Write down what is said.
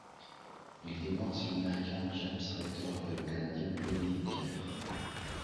Il devance l'Américain James Rector et le Canadien Bobby Kerr.